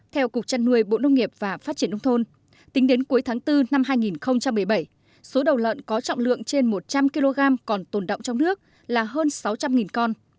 theo cục trăn nuôi bộ nông nghiệp và phát triển nông thôn tính đến cuối tháng bốn năm hai nghìn một mươi bảy số đầu lợn có trọng lượng trên một trăm linh kg còn tồn động trong nước là hơn sáu trăm linh con